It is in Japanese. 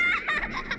ハハハ。